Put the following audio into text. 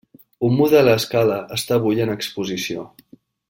Un model a escala està avui en exposició.